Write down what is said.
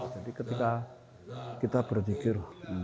jadi ketika kita berpikir